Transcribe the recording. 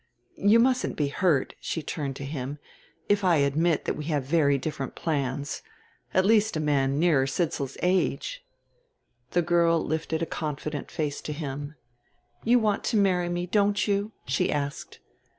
You mustn't be hurt," she turned to him, "if I admit that we have very different plans... at least a man nearer Sidsall's age." The girl lifted a confident face to him. "You want to marry me, don't you?" she asked.